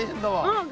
うん。